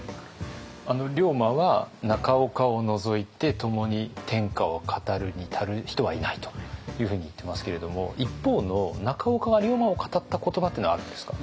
龍馬は「中岡を除いてともに天下を語るに至る人はいない」というふうに言ってますけれども一方の中岡が龍馬を語った言葉というのはあるんですか？